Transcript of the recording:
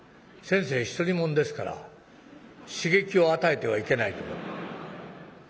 先生独り者ですから刺激を与えてはいけないと」。